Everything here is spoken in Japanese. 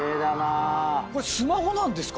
これスマホなんですか？